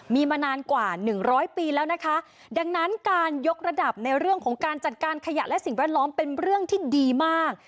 มีมานานกว่าหนึ่งร้อยปีแล้วนะคะดังนั้นการยกระดับในเรื่องของการจัดการขยะและสิ่งแวดล้อมเป็นเรื่องที่ดีมาก